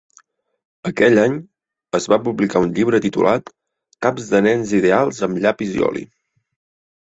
Aquell any es va publicar un llibre titulat "Caps de nens ideals amb llapis i oli".